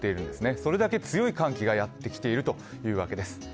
それだけ強い寒気がやってきているというわけです。